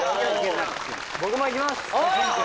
僕もいきます！